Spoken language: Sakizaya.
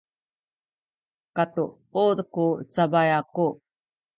katuud ku cabay aku